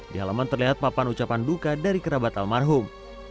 di halaman terlihat papan ucapan duka dari kerabat almarhum